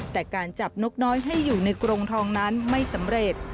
แต่การจับนกน้อยให้อยู่ในกรงทองนั้นไม่สำเร็จ